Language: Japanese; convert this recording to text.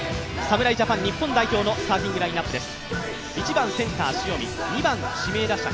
侍ジャパン日本代表のスターティングラインナップです。